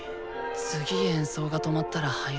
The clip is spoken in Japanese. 次演奏が止まったら入ろうよ。